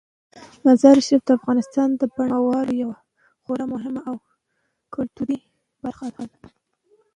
مزارشریف د افغانستان د بڼوالۍ یوه خورا مهمه او ګټوره برخه ده.